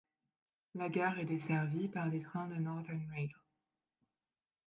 La gare est desservie par des trains de Northern Rail.